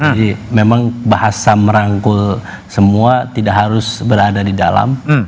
jadi memang bahasa merangkul semua tidak harus berada di dalam